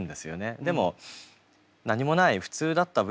でも何もない普通だった分